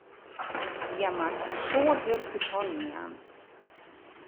Hja moast in soad wurk út hannen jaan.